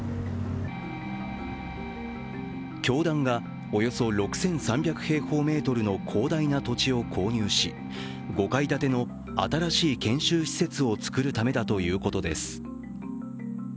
教団がおよそ６３００平方メートルの広大な土地を購入し５階建ての新しい研修施設をつくるためだということです。